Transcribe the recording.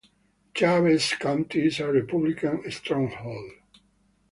Chaves County is a Republican stronghold.